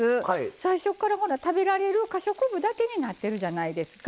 最初から食べられる可食部だけになってるじゃないですか。